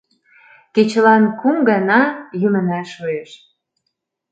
Кечылан кум гана йӱмына шуэш.